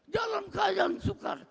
dalam keadaan sukar